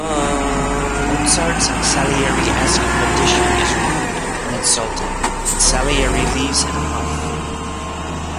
Mozart's Salieriesque rendition is rude and insulting, and Salieri leaves in a huff.